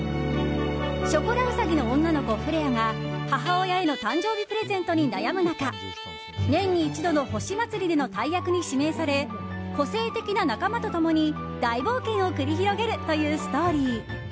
ショコラウサギの女の子フレアが母親への誕生日プレゼントに悩む中年に一度の星祭りでの大役に指名され個性的な仲間と共に大冒険を繰り広げるというストーリー。